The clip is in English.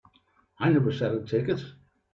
I never said I'd take it.